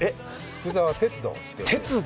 “福澤鉄道”。